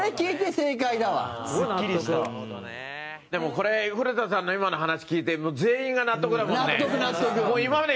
これ、古田さんの今の話、聞いて全員が納得だもんね。